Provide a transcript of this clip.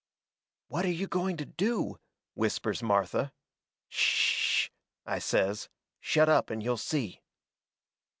"What are you going to do?" whispers Martha. "S sh sh," I says, "shut up, and you'll see."